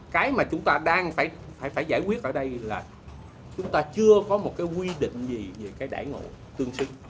cái mà chúng ta đang phải giải quyết ở đây là chúng ta chưa có một cái quy định gì về cái đải ngộ tương xứng